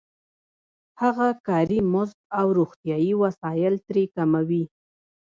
هغه کاري مزد او روغتیايي وسایل ترې کموي